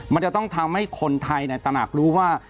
มันจะต้องทำให้คนไทยตนักรู้ว่า